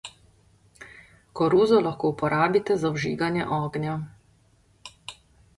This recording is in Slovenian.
Koruzo lahko uporabite za vžiganje ognja.